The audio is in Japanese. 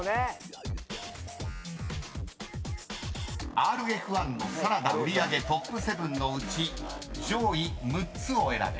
［ＲＦ１のサラダ売り上げトップ７のうち上位６つを選べ。